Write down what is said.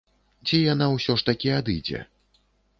Ці яна ўсё ж такі адыдзе?